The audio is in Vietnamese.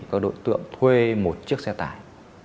các đối tượng thuê một chiếc xe tải